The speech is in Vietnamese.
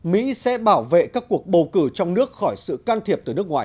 mỹ sẽ bảo vệ các cuộc bầu cử trong nước khỏi sự can thiệp từ nước ngoài